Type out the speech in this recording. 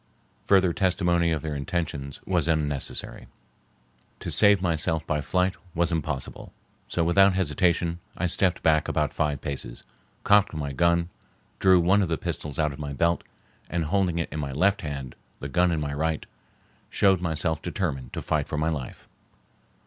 Further testimony of their intentions was unnecessary. To save myself by flight was impossible, so without hesitation I stepped back about five paces, cocked my gun, drew one of the pistols out of my belt, and holding it in my left hand, the gun in my right, showed myself determined to fight for my life.